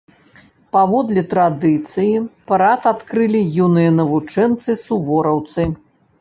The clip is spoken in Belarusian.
Паводле традыцыі, парад адкрылі юныя навучэнцы-сувораўцы.